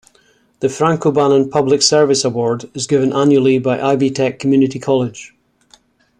The Frank O'Bannon Public Service Award is given annually by Ivy Tech Community College.